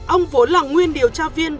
ông vốn là nguyên điều tra viên